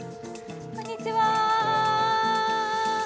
こんにちは。